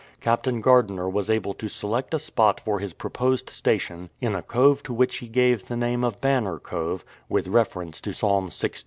Captain Gardiner was able to select a spot for his proposed station in a cove to which he gave the name of " Banner Cove " (with refer ence to Psalm Lx.